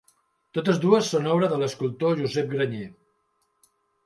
Totes dues són obra de l'escultor Josep Granyer.